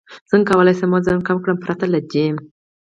څنګه کولی شم وزن کم کړم پرته له جیم